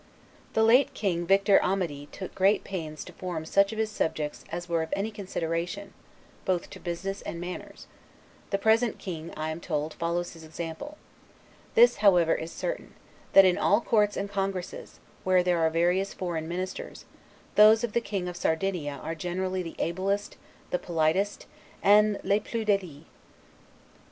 The late King Victor Amedee took great pains to form such of his subjects as were of any consideration, both to business and manners; the present king, I am told, follows his example: this, however, is certain, that in all courts and congresses, where there are various foreign ministers, those of the King of Sardinia are generally the ablest, the politest, and 'les plus delies'.